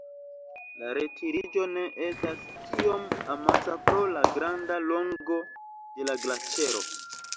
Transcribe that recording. La retiriĝo ne estas tiom amasa pro la granda longo de la glaĉero.